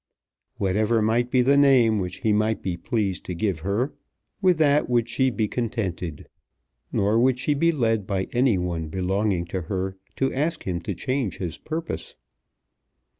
Whatever might be the name which he might be pleased to give her, with that would she be contented, nor would she be led by any one belonging to her to ask him to change his purpose.